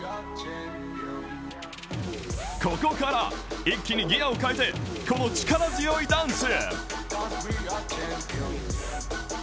ここから、一気にギアを変えてこの力強いダンス。